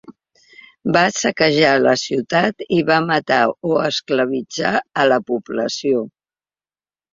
Va saquejar la ciutat i va matar o esclavitzar a la població.